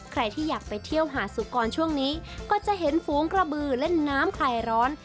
ใครที่อยากไปเที่ยวหาสุกรช่วงนี้ก็จะเห็นฝูงกระบือเล่นน้ำคลายร้อน